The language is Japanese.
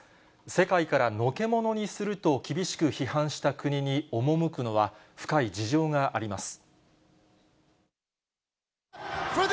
世界からのけ者にすると厳しく批判した国に赴くのは、深い事情があります。